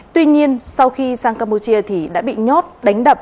tuy nhiên sau khi sang campuchia thì đã bị nhốt đánh đập